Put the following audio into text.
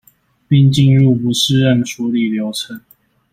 並進入不適任處理流程